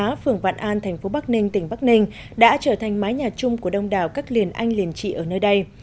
đường xá phường vạn an thành phố bắc ninh tỉnh bắc ninh đã trở thành mái nhà chung của đông đảo các liền anh liền trị ở nơi đây